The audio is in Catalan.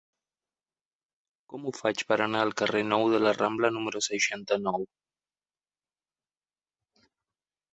Com ho faig per anar al carrer Nou de la Rambla número seixanta-nou?